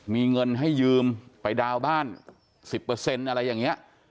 มีเงินให้ยืมไปดาวน์บ้าน๑๐อะไรอย่างนี้